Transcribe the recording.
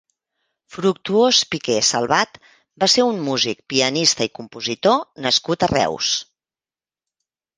Fructuós Piqué Salvat va ser un músic, pianista i compositor nascut a Reus.